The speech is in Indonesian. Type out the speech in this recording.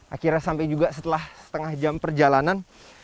akhirnya sampai juga setelah setengah jam perjalanan